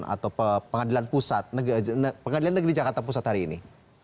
atau pengadilan pusat pengadilan negara di jakarta pusat hari ini